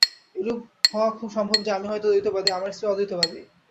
এরূপ হওয়া খুব সম্ভব যে, আমি হয়তো দ্বৈতবাদী, আমার স্ত্রী অদ্বৈতবাদী।